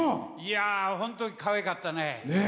本当にかわいかったね。